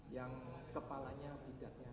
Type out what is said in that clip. yang kepalanya budaknya